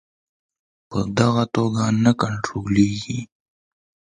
په دغه توګه نه کنټرولیږي.